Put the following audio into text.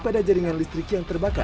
pada jaringan listrik yang terbakar